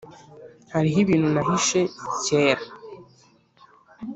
Hariho ibintu nahishe kera